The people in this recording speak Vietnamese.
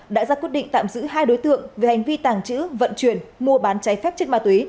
đã ra quyết định tạm giữ hai đối tượng về hành vi tàng trữ vận chuyển mua bán cháy phép chất ma túy